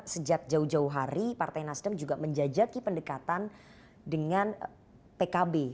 sejak jauh jauh hari partai nasdem juga menjajaki pendekatan dengan pkb